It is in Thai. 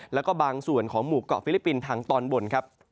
และบางส่วนของหมู่เกาะฟิลิปปินทางตอนบน